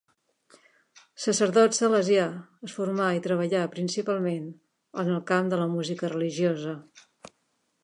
Sacerdot salesià, es formà i treballà principalment en el camp de la música religiosa.